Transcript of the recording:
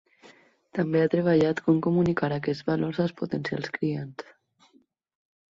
També ha treballat com comunicar aquests valors als potencials clients.